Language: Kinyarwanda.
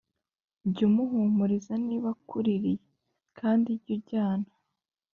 jya umuhumuriza niba akuririye, kandi jya ujyana